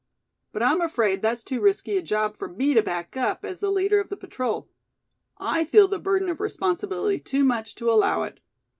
But I'm afraid that's too risky a job for me to back up, as the leader of the patrol. I feel the burden of responsibility too much to allow it.